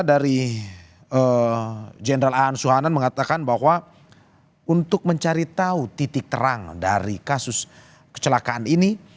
dari jenderal aan suhanan mengatakan bahwa untuk mencari tahu titik terang dari kasus kecelakaan ini